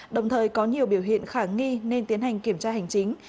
đồng thời có nhiều biểu hiện khả nghi nên tiến hành kiểm tra hành chính